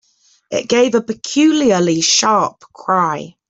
It gave a peculiarly sharp cry.